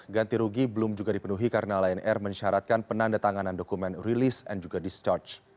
ganti rugi belum juga dipenuhi karena lion air mensyaratkan penanda tanganan dokumen rilis dan juga discharge